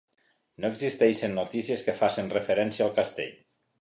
No existeixen notícies que facin referència al castell.